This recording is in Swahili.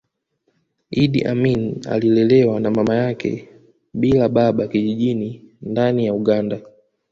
Iddi Amin alilelewa na mama yake bila baba kijijini ndani ya Uganda